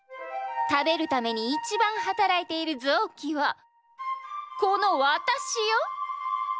食べるためにいちばん働いているぞうきはこのわたしよ！